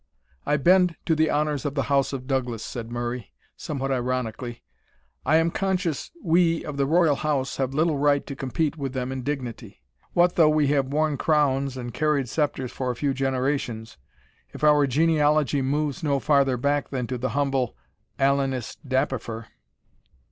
"I bend to the honours of the house of Douglas," said Murray, somewhat ironically; "I am conscious we of the Royal House have little right to compete with them in dignity What though we have worn crowns and carried sceptres for a few generations, if our genealogy moves no farther back than to the humble _Alanus Dapifer!"